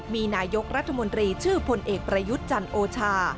มีนายกรัฐมนตรีชื่อพลเอกประยุทธ์จันทร์โอชา